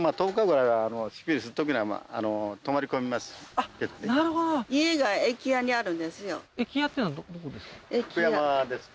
あっなるほど駅家っていうのはどこですか？